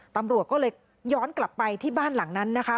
ตำรวจก็เลยย้อนกลับไปที่บ้านหลังนั้นนะคะ